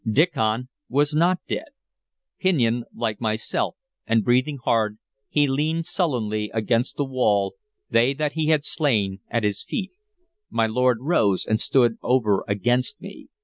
Diccon was not dead; pinioned, like myself, and breathing hard, he leaned sullenly against the wall, they that he had slain at his feet. My lord rose, and stood over against me.